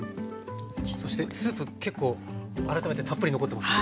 そしてスープ結構改めてたっぷり残ってますね。